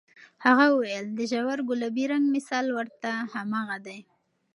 هغه وویل، د ژور ګلابي رنګ مثال ورته هماغه دی.